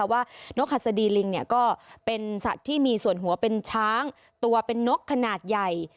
นกหัสดีลิงก็เป็นสัตว์ที่มีส่วนหัวเป็นช้างตัวเป็นนกขนาดใหญ่